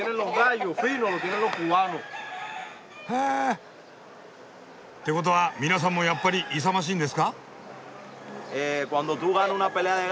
へえ！ってことは皆さんもやっぱり勇ましいんですか？